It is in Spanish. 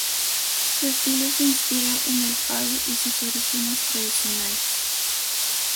Su estilo se inspira en el fado y sus orígenes tradicionales.